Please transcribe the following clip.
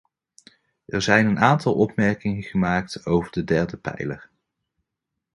Er zijn een aantal opmerkingen gemaakt over de derde pijler.